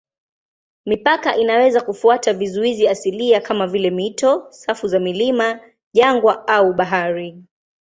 Mipaka inaweza kufuata vizuizi asilia kama vile mito, safu za milima, jangwa au bahari.